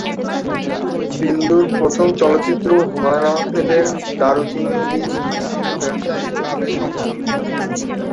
বিন্দুর প্রথম চলচ্চিত্র হুমায়ূন আহমেদের "দারুচিনি দ্বীপ" ছিল ব্যবসায়িকভাবে সফল।